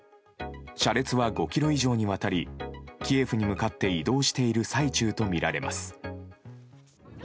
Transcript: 車列は５ｋｍ以上にわたりキエフに向かって移動している最中とみられます。